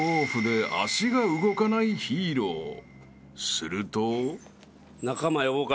［すると］